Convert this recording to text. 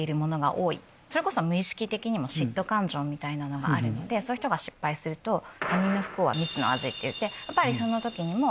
それこそ無意識的にも嫉妬感情みたいなのがあるのでそういう人が失敗すると。っていってやっぱりその時にも。